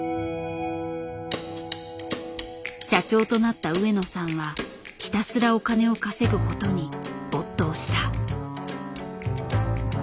社長となった上野さんはひたすらお金を稼ぐことに没頭した。